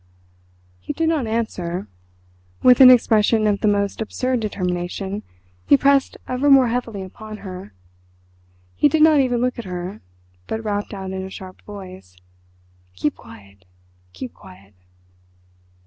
He did not answer. With an expression of the most absurd determination he pressed ever more heavily upon her. He did not even look at her—but rapped out in a sharp voice: "Keep quiet—keep quiet."